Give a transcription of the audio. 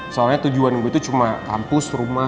soalnya tujuan gue itu cuma kampus rumah